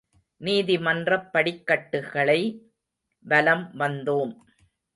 நீதிமன்றப் படிக்கட்டுகளை வலம் வந்தோம்.